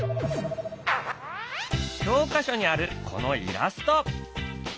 教科書にあるこのイラスト。